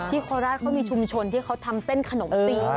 ที่โคลาสเขามีชุมชนที่เขาทำเส้นขนมจีนด้วยนะ